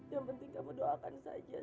yang penting kamu doakan saja